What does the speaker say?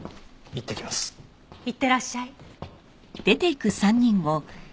いってらっしゃい。